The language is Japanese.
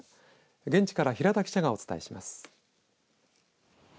現地から平田記者がお伝えします。